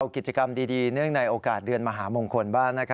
กิจกรรมดีเนื่องในโอกาสเดือนมหามงคลบ้าง